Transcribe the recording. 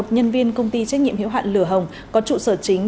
nhân viên công ty trách nhiệm hiệu hạn lửa hồng có trụ sở chính